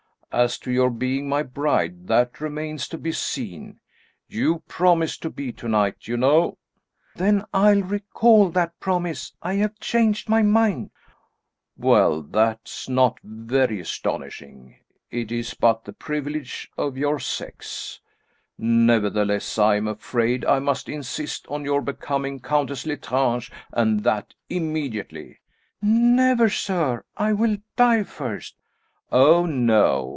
As to your being my bride, that remains to be seen. You promised to be tonight, you know!" "Then I'll recall that promise. I have changed my mind." "Well, that's not very astonishing; it is but the privilege of your sex! Nevertheless, I'm afraid I must insist on your becoming Countess L'Estrange, and that immediately!" "Never, sir! I will die first!" "Oh, no!